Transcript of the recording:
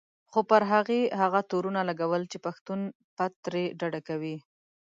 خو پر هغې هغه تورونه لګول چې پښتون پت ترې ډډه کوي.